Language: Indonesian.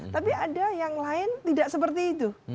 tapi ada yang lain tidak seperti itu